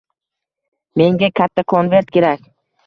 Menga katta konvert kerak.